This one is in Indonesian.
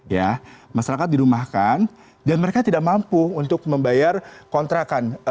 ya masyarakat dirumahkan dan mereka tidak mampu untuk membayar kontrakan